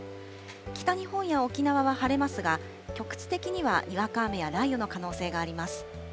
北日本や沖縄は晴れますが、局地的にはにわか雨や雷雨の可能性があります。